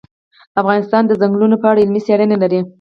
افغانستان د چنګلونه په اړه علمي څېړنې لري.